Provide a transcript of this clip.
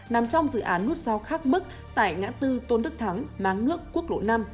nằm trong dự án nút giao khác mức tại ngã tư tôn đức thắng máng nước quốc lộ năm